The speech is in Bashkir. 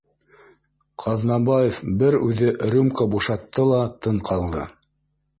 Ҡаҙнабаев бер үҙе рюмка бушатты ла тын ҡалды